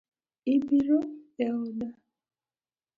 Ibiro eoda?